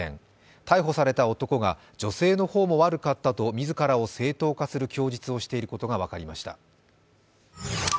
逮捕された男が女性の方も悪かったと自らを正当化する供述をしていることが分かりました。